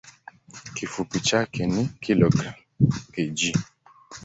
Kifupi chake ni kg.